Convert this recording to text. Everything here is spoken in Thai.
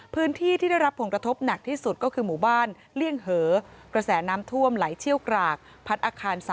พื้นที่ที่ได้รับผลกระทบหนักที่สุดก็คือหมู่บ้านเลี่ยงเหอกระแสน้ำท่วมไหลเชี่ยวกรากพัดอาคาร๓